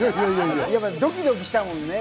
ドキドキしたもんね。